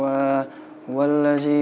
io penuh pengalaman